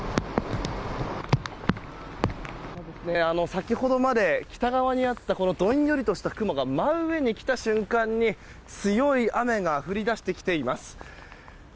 先ほどまで北側にあったどんよりとした雲が真上に来た瞬間に強い雨が降り出してきています。